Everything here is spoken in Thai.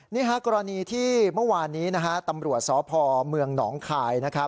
กรณีที่เมื่อวานนี้ตำรวจสพเมืองหนองคาย